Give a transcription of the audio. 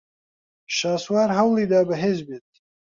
شاسوار ھەوڵی دا بەھێز بێت.